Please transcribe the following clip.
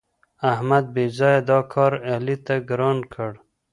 احمد بېځآیه دا کار علي ته ګران کړ.